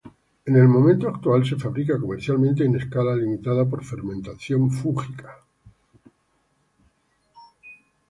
En el momento actual se fabrica comercialmente en escala limitada por fermentación fúngica.